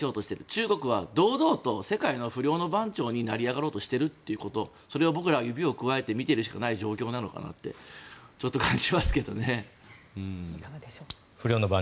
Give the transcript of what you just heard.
中国は堂々と世界の不良の番長に成り上がろうとしているということそれを僕らは指をくわえて見ているしかない状況なのかなっていかがでしょう。